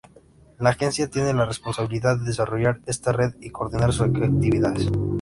La Agencia tiene la responsabilidad de desarrollar esta red y coordinar sus actividades.